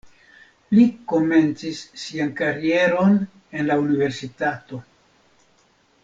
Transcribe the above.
Li komencis sian karieron en la universitato.